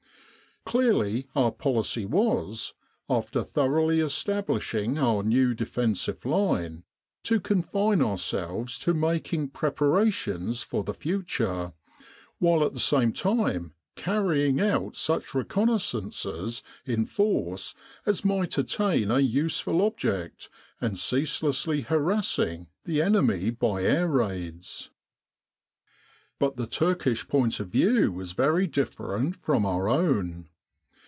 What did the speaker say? Clearly our policy was, after thoroughly establishing our new defensive line, 4o confine ourselves to making preparations for the future, while at the same time carrying out such reconnaissances in force as might attain a useful object, and ceaselessly harassing the enemy by air raids. But the Turkish point of view was very different from our own.